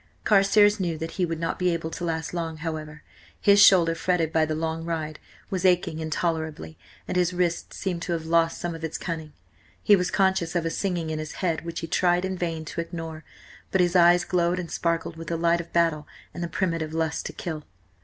Carstares knew that he would not be able to last long, however. His shoulder, fretted by the long ride, was aching intolerably, and his wrist seemed to have lost some of its cunning. He was conscious of a singing in his head which he tried, in vain, to ignore. But his eyes glowed and sparkled with the light of battle and the primitive lust to kill.